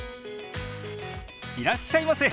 いらっしゃいませ！